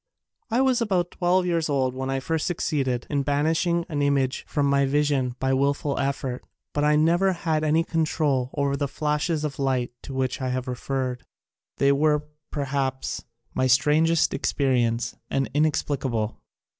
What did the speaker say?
I was about twelve years old when I first succeeded in banishing an image from my vision by wilful effort, but I never had any control over the flashes of light to which I have referred. They were, per haps, my strangest experience and inex plicable.